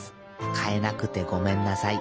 かえなくてごめんなさい。